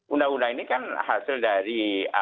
undang undang ini kan hasil dari